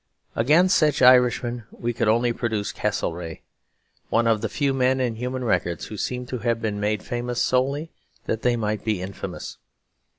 Against such Irishmen we could only produce Castlereagh; one of the few men in human records who seem to have been made famous solely that they might be infamous.